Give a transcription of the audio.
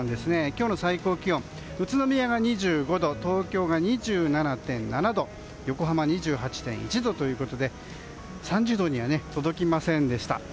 今日の最高気温、宇都宮が２５度東京が２７．７度横浜が２８．１度ということで３０度には届きませんでした。